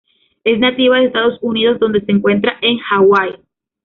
Es nativa de Estados Unidos donde se encuentra en Hawái.